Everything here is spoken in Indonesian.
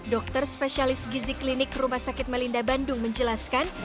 dokter spesialis gizi klinik rumah sakit melinda bandung menjelaskan